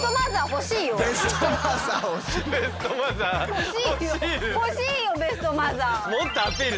欲しいよベストマザー。